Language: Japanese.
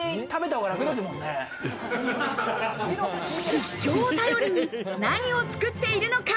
実況を頼りに何を作っているのか？